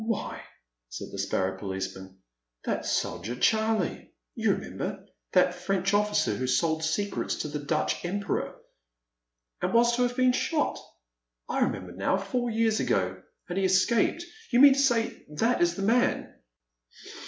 ''Why," said the sparrow policeman, *' that 's * Soger Charlie ';— you remember — that French officer what sold secrets to the Dutch Emperor." And was to have been shot? I remember now, four years ago — and he escaped — ^you mean to say that is the man